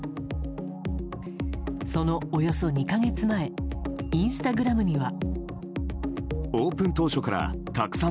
そのおよそ２か月前インスタグラムには。